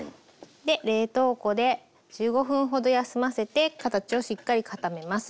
冷凍庫で１５分ほど休ませて形をしっかり固めます。